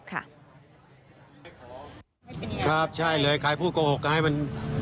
ตอนนั้นผมรู้อยู่แล้วว่ามันไม่